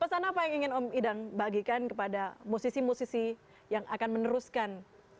pesan apa yang ingin om idang bagikan kepada musisi musisi yang akan meneruskan